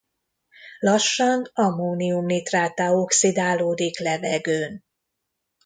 Lassan ammónium-nitráttá oxidálódik levegőn.